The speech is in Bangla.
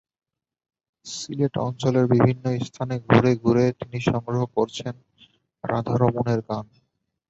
সিলেট অঞ্চলের বিভিন্ন স্থানে ঘুরে ঘুরে তিনি সংগ্রহ করছেন রাধারমণের গান।